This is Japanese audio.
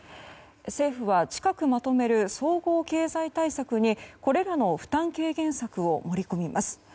政府は、近くまとめる総合経済対策にこれらの負担軽減策を盛り込みます。